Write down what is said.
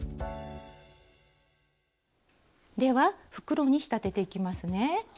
では袋に仕立てていきますね。